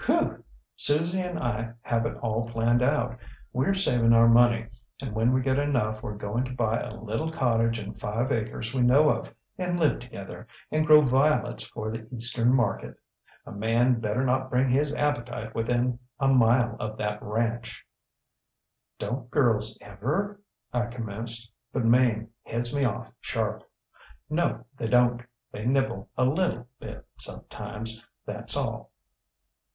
Whew! Susie and I have it all planned out. WeŌĆÖre saving our money, and when we get enough weŌĆÖre going to buy a little cottage and five acres we know of, and live together, and grow violets for the Eastern market. A man better not bring his appetite within a mile of that ranch. ŌĆÖ ŌĆ£ŌĆśDonŌĆÖt girls everŌĆöŌĆÖ I commenced, but Mame heads me off, sharp. ŌĆ£ŌĆśNo, they donŌĆÖt. They nibble a little bit sometimes; thatŌĆÖs all.